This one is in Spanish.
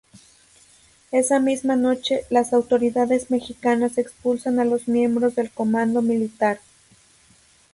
Esa misma noche las autoridades mexicanas expulsan a los miembros del comando militar.